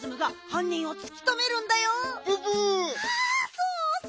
そうそう！